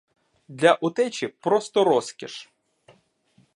Для утечі — просто розкіш.